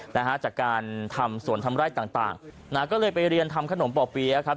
นะฮะจากการทำสวนทำไร่ต่างต่างนะฮะก็เลยไปเรียนทำขนมป่อเปี๊ยะครับ